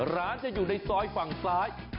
ร้านจะอยู่ในซอยฝั่งซ้าย